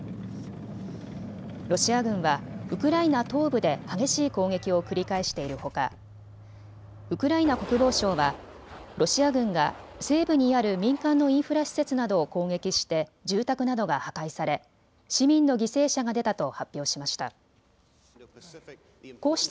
ロシア軍はウクライナ東部で激しい攻撃を繰り返しているほかウクライナ国防省はロシア軍が西部にある民間のインフラ施設などを攻撃して住宅などが破壊され市民の犠牲者が出たと発表しました。